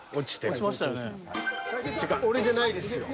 俺じゃないですよ。